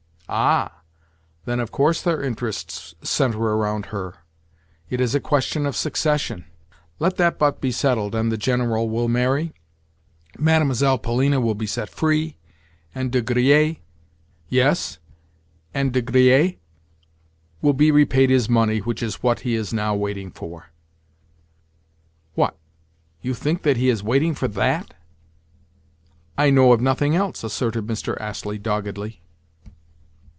"Ah, then of course their interests centre around her. It is a question of succession. Let that but be settled, and the General will marry, Mlle. Polina will be set free, and De Griers—" "Yes, and De Griers?" "Will be repaid his money, which is what he is now waiting for." "What? You think that he is waiting for that?" "I know of nothing else," asserted Mr. Astley doggedly.